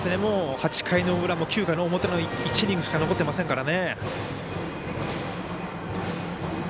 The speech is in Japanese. ８回の裏と９回の表の１イニングしか残ってませんからね。